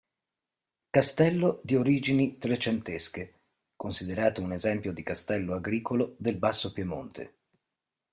Castello di origini trecentesche, considerato un esempio di castello agricolo del basso Piemonte..